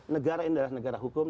negara ini adalah negara hukum